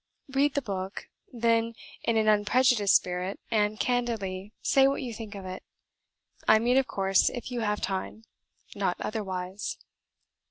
Read the book, then, in an unprejudiced spirit, and candidly say what you think of it. I mean, of course, if you have time NOT OTHERWISE."